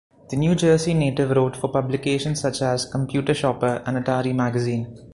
The New Jersey native wrote for publications such as "Computer Shopper" and "Atari Magazine".